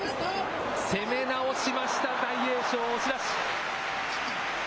攻め直しました、大栄翔、押し出し。